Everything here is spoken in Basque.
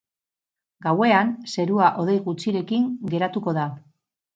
Gauean, zerua hodei gutxirekin geratuko da.